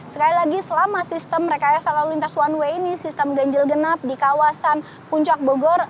sekali lagi selama sistem rekayasa lalu lintas one way ini sistem ganjil genap di kawasan puncak bogor